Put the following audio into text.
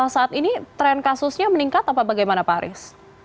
saat ini tren kasusnya meningkat apa bagaimana pak aris